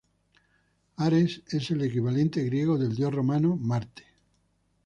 Ares es el equivalente griego del dios romano Marte.